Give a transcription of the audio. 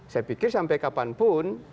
saya pikir sampai kapanpun